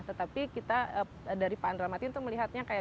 tetapi kita dari pak andra matin itu melihatnya kayak